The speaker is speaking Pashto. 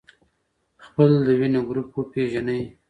خپل د وینې ګروپ وپېژنئ.